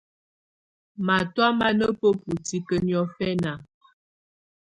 Matɔ̀́á mà nà bǝbu tikǝ́ niɔ̀fɛna.